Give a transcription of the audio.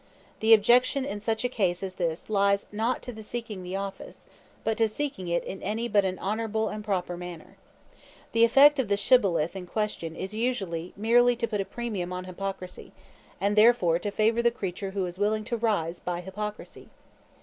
The objection in such a case as this lies not to seeking the office, but to seeking it in any but an honorable and proper manner. The effect of the shibboleth in question is usually merely to put a premium on hypocrisy, and therefore to favor the creature who is willing to rise by hypocrisy.